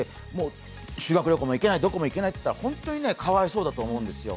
修学旅行も行けない、どこも行けないと、本当にかわいそうだと思うんですよ。